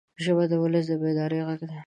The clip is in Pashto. ژبه د ولس د بیدارۍ غږ ده